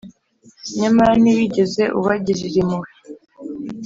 nyamara ntiwigeze ubagirira impuhwe,